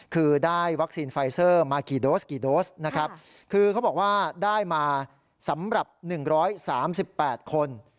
คือได้วัคซีนไฟเซอร์มากี่โดสกี่โดสนะครับคือเขาบอกว่าได้มาสำหรับ๑๓๘คน